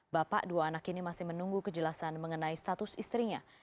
bapak dua anak ini masih menunggu kejelasan mengenai status istrinya